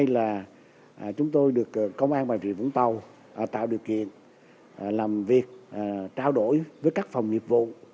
là chúng tôi được công an bà rịa vũng tàu tạo điều kiện làm việc trao đổi với các phòng nghiệp vụ